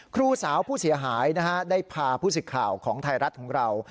ครูสาวผู้เสียหายได้พาผู้สิทธิ์ข่าวของไทยรัฐของเรา